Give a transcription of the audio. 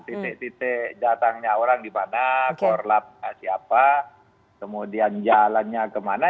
titik titik datangnya orang di mana korlap siapa kemudian jalannya kemana